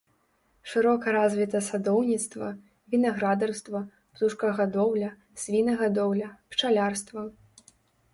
Шырока развіта садоўніцтва, вінаградарства, птушкагадоўля, свінагадоўля, пчалярства.